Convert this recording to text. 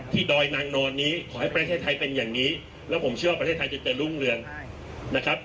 ดอยนางนอนนี้ขอให้ประเทศไทยเป็นอย่างนี้แล้วผมเชื่อว่าประเทศไทยจะเจริญรุ่งเรืองนะครับ